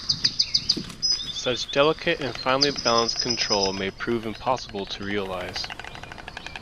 Such delicate and finely-balanced control may prove impossible to realize.